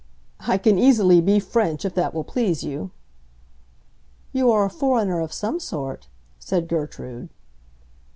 "I can easily be French, if that will please you." "You are a foreigner of some sort," said Gertrude.